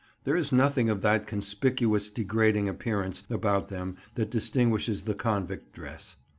There is nothing of that conspicuous, degrading appearance about them that distinguishes the convict dress.